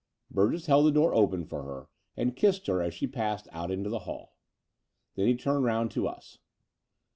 Burgess held the door open for her, and kissed her as she passed out into the hall. Then he turned round to us.